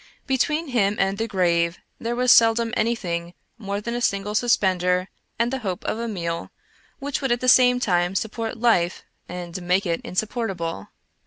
Between him and the grave there was seldom anything more than a single suspender and the hope of a meal which would at the same time support life and make it insupportable.